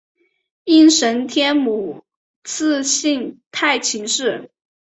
应神天皇赐姓太秦氏。